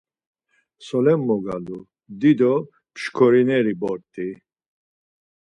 Solen mogalu, dido mşkorineri bort̆i!